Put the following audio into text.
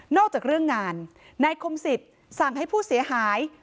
จากเรื่องงานนายคมสิทธิ์สั่งให้ผู้เสียหาย